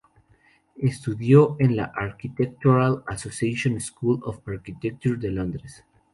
Estudió en la Architectural Association School of Architecture de Londres.